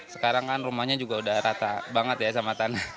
sekarang kan rumahnya juga udah rata banget ya sama tanah